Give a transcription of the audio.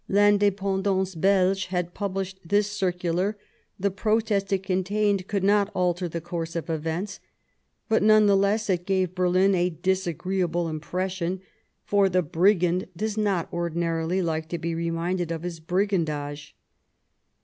L'Independance Beige had published this circu lar ; the protest it contained could not alter the course of events, but none the less it gave Berlin a disagreeable impression ; for the brigand does not ordinarily like to be reminded of his brigandage.